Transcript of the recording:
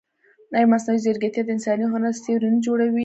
ایا مصنوعي ځیرکتیا د انساني هنر سیوری نه جوړوي؟